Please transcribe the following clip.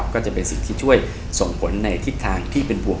ก็จะเป็นสิ่งที่ช่วยส่งผลในทิศทางที่เป็นบวก